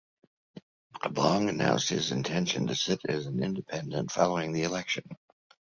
Vuong announced his intention to sit as an Independent following the election.